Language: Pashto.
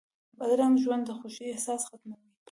بدرنګه ژوند د خوښۍ احساس ختموي